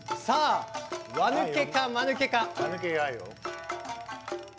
輪抜けかまぬけか。